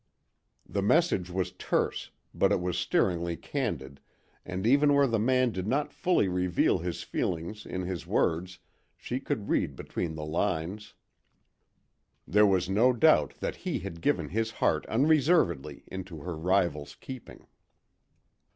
The message was terse, but it was stirringly candid, and even where the man did not fully reveal his feelings in his words she could read between the lines. There was no doubt that he had given his heart unreservedly into her rival's keeping.